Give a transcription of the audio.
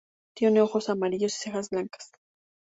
Tiene ojos amarillos, y cejas blancas.